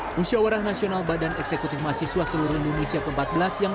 hai usia warah nasional badan eksekutif mahasiswa seluruh indonesia ke empat belas yang